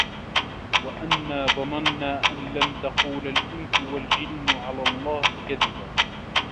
وَأَنّا ظَنَنّا أَن لَن تَقولَ الإِنسُ وَالجِنُّ عَلَى اللَّهِ كَذِبًا